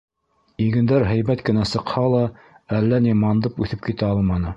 Игендәр һәйбәт кенә сыҡһа ла, әллә ни мандып үҫеп китә алманы.